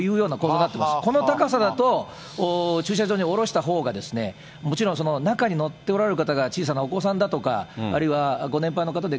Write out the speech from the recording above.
この高さだと、駐車場に降ろしたほうが、もちろん中に乗っておられる方が小さなお子さんだとか、あるいはご年配の方で、